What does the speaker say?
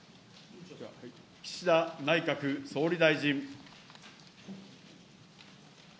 岸田内閣総理大臣。